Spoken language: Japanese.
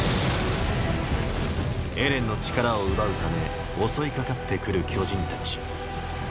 エレンの力を奪うため襲いかかってくる巨人たち。